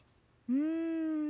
うん。